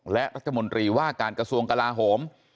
และรัฐมนตรีว่าการกระทรวงกลาโหม